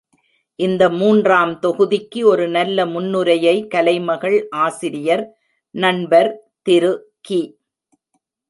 இந்த மூன்றாம் தொகுதிக்கு, ஒரு நல்ல முன்னுரையை, கலைமகள் ஆசிரியர், நண்பர் திரு கி.